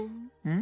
ん？